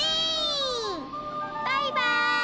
バイバーイ！